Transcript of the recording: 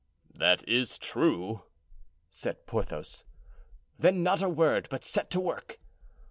"That is true," said Porthos. "Then not a word, but set to work!"